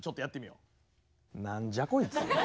なんじゃこいつ。